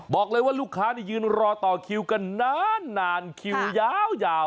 บอกเลยว่าลูกค้านี่ยืนรอต่อคิวกันนานคิวยาว